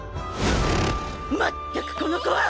まったくこの子は！